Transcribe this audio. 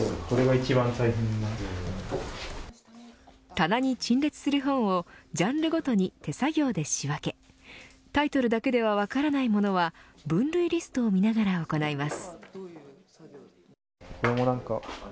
棚に陳列する本をジャンルごとに手作業で仕分けタイトルだけでは分からないものは分類リストを見ながら行います。